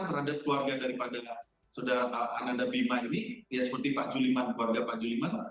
terhadap keluarga daripada saudara ananda bima ini ya seperti pak juliman keluarga pak juliman